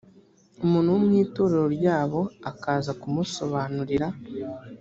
umuntu wo mu itorero ryabo akaza kumusobanurira